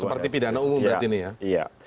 seperti pidana umum berarti ini ya